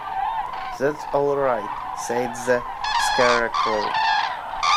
"That's all right," said the Scarecrow.